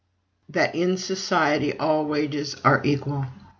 % 6. That in Society all Wages are Equal.